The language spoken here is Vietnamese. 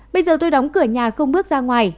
bây giờ tôi đóng cửa nhà không bước ra ngoài